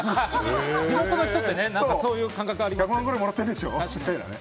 地元の人ってそういう感覚ありますよね。